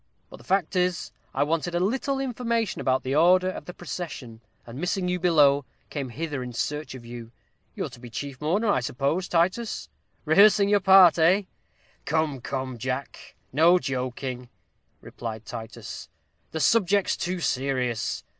But the fact is, I wanted a little information about the order of the procession, and missing you below, came hither in search of you. You're to be chief mourner, I suppose, Titus rehearsing your part, eh?" "Come, come, Jack, no joking," replied Titus; "the subject's too serious.